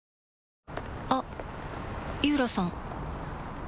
あっ井浦さん